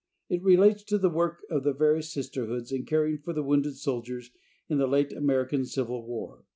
It relates to the work of the various Sisterhoods in caring for the wounded soldiers in the late American Civil War.